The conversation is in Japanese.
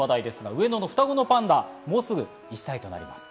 上野の双子のパンダ、もうすぐ１歳です。